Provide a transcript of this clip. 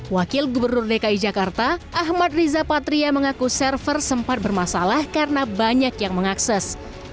wakil gubernur dki jakarta ahmad riza patria mengaku server sempat bermasalah karena banyak yang mengakses